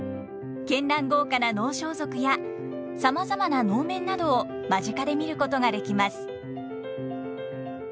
絢爛豪華な能装束やさまざまな能面などを間近で見ることができます。